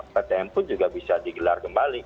ptm pun juga bisa digelar kembali